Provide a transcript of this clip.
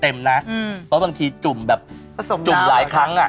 เพราะบางทีจุ่มแบบจุ่มหลายครั้งอ่ะ